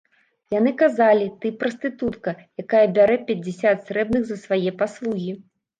Яны казалі, ты — прастытутка, якая бярэ пяцьдзясят срэбных за свае паслугі.